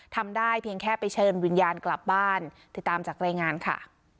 ทำได้เพียงแค่ไปเชิญวิญญาณกลับบ้านติดตามจากรายงานค่ะ